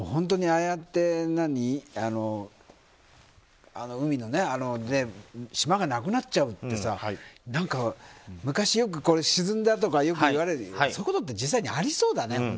ああやって海の島がなくなっちゃうって何か昔よく沈んだとかいわれるそういうことって実際にありそうだね。